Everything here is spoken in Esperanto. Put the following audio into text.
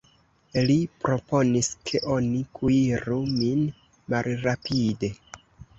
Li proponis, ke oni kuiru min malrapide.